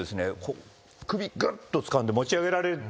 首ぐっとつかんで持ち上げられて。